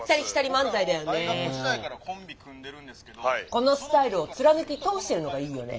このスタイルを貫き通してるのがいいよね。